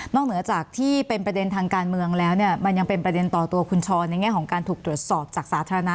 เหนือจากที่เป็นประเด็นทางการเมืองแล้วเนี่ยมันยังเป็นประเด็นต่อตัวคุณชรในแง่ของการถูกตรวจสอบจากสาธารณะ